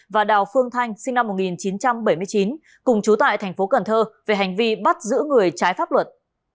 và đào phương thanh sinh năm một nghìn chín trăm bảy mươi chín cùng chú tại thành phố cần thơ về hành vi bắt giữ người trái pháp luật